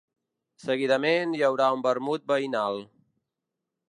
Seguidament, hi haurà un vermut veïnal.